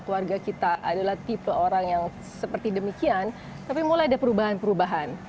keluarga kita adalah tipe orang yang seperti demikian tapi mulai ada perubahan perubahan